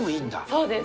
そうです。